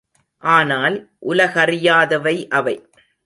ஆனால், உலகறியாதவை அவை.